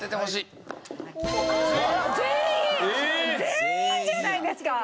全員じゃないですか！